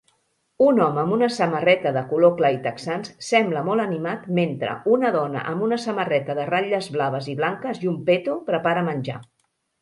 Un home amb una samarreta de color clar i texans sembla molt animat mentre una dona amb una samarreta de ratlles blaves i blanques i un peto prepara menjar.